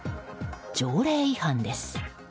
条例違反です。